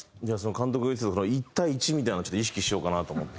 監督が言ってたその１対１みたいなのちょっと意識しようかなと思って。